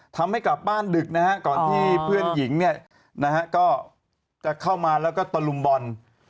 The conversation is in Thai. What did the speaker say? ทำให้กลับบ้านดึกนะฮะก่อนที่เพื่อนหญิงเนี่ยนะฮะก็จะเข้ามาแล้วก็ตะลุมบอล